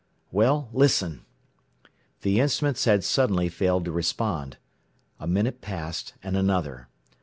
"Well, listen " The instruments had suddenly failed to respond. A minute passed, and another.